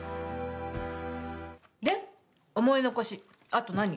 で、思い残し、あと何？